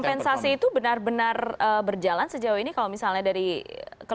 tapi apakah kompensasi itu benar benar berjalan sejauh ini kalau misalnya dari kelompok ylki